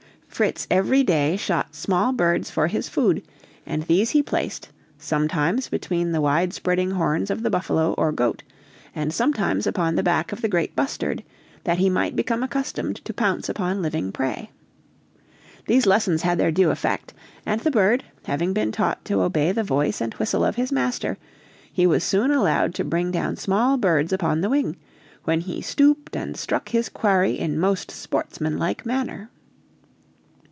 Fritz every day shot small birds for his food, and these he placed, sometimes between the wide spreading horns of the buffalo or goat, and, sometimes upon the back of the great bustard, that he might become accustomed to pounce upon living prey. These lessons had their due effect, and the bird, having been taught to obey the voice and whistle of his master, he was soon allowed to bring down small birds upon the wing, when he stooped and struck his quarry in most sportsmanlike manner.